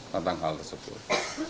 tentang hal tersebut